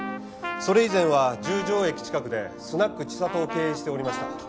それ以前は十条駅近くでスナックちさとを経営しておりました。